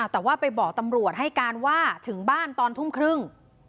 แต่ว่าไปบอกตำรวจให้การว่าถึงบ้านตอนทุ่มครึ่ง